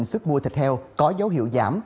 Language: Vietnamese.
sức mua thịt heo có dấu hiệu giảm